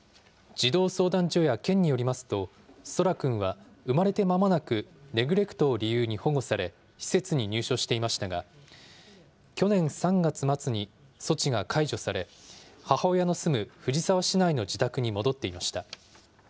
児童相談所や県によりますと、空来くんは生まれて間もなくネグレクトを理由に保護され、施設に入所していましたが、去年３月末に措置が解除され、母親の住む藤沢市内の自宅に戻っていました。